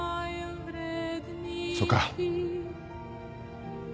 そうか